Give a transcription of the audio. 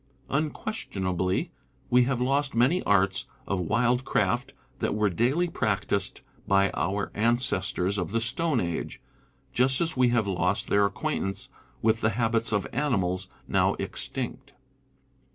Unques tionably we have lost many arts of wildcraft that were daily practised by our ancestors of the stone age, just as we have lost their acquaintance with the habits of animals now extinct.